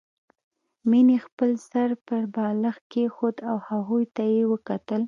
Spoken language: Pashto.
مينې خپل سر پر بالښت کېښود او هغوی ته يې وکتل